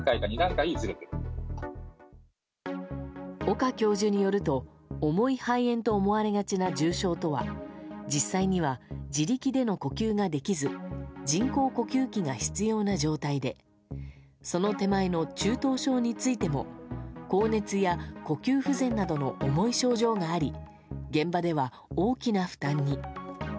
岡教授によると思い肺炎と思われがちな重症とは実際には自力での呼吸ができず人工呼吸器が必要な状態でその手前の中等症についても高熱や呼吸不全などの重い症状があり現場では大きな負担に。